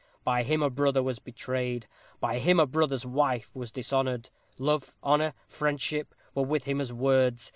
By him a brother was betrayed; by him a brother's wife was dishonored. Love, honor, friendship, were with him as words.